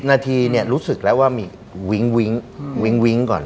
๑๐นาทีรู้สึกแล้วว่ามีวิ้งก่อน